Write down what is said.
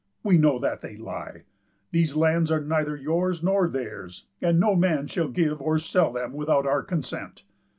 We know that they lie. These lands are neither yours nor theirs, and no man shall give or sell them without our consent.